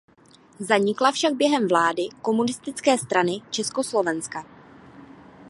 Zanikla však během vlády Komunistické strany Československa.